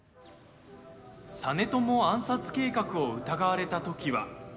実朝暗殺計画を疑われた時は。